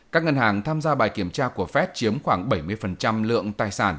các ngân hàng tham gia bài kiểm tra của fed chiếm khoảng bảy mươi lượng tài sản